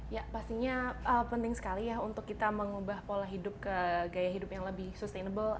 ya pastinya penting sekali ya untuk kita mengubah pola hidup ke gaya hidup yang lebih sustainable